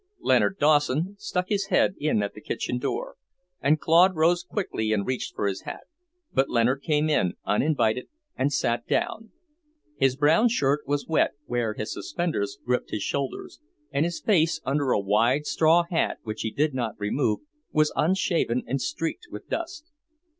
Leonard Dawson stuck his head in at the kitchen door, and Claude rose quickly and reached for his hat; but Leonard came in, uninvited, and sat down. His brown shirt was wet where his suspenders gripped his shoulders, and his face, under a wide straw hat which he did not remove, was unshaven and streaked with dust.